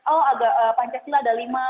oh pancasila ada lima